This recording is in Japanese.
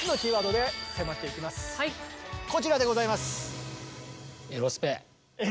こちらでございます。